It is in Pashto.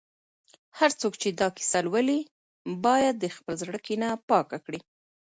هر څوک چې دا کیسه لولي، باید د خپل زړه کینه پاکه کړي.